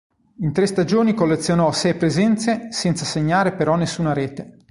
In tre stagioni collezionò sei presenze senza segnare però nessuna rete.